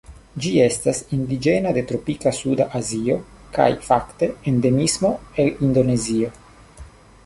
Ĝi estas indiĝena de tropika suda Azio, kaj fakte endemismo el Indonezio.